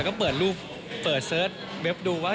ดูลูกให้เขาเปิดเซอร์ตเว็บดูว่า